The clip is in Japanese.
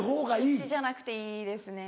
家じゃなくていいですね。